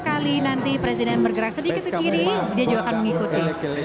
kali nanti presiden bergerak sedikit ke kiri dia juga akan mengikuti